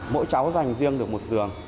mỗi cháu dành riêng được một giường